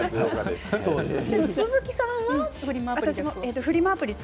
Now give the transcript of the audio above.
鈴木さんはフリマアプリは？